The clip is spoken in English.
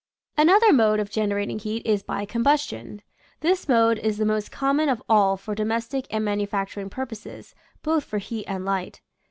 Another mode of generating heat is by com bustion. This mode is the most common of all for domestic and manufacturing purposes, both for heat and light.